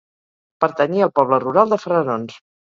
Pertanyia al poble rural de Ferrerons.